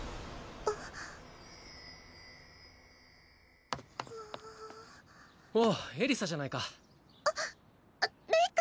あおおエリサじゃないかあっレイ君